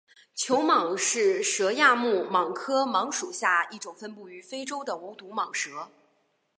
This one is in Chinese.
球蟒是蛇亚目蟒科蟒属下一种分布于非洲的无毒蟒蛇。